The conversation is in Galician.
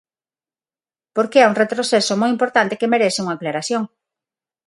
Porque é un retroceso moi importante que merece unha aclaración.